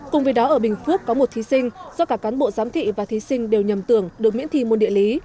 cùng với đó ở bình phước có một thí sinh do cả cán bộ giám thị và thí sinh đều nhầm tưởng được miễn thi môn địa lý